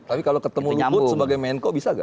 tapi kalau ketemu luput sebagai menko bisa nggak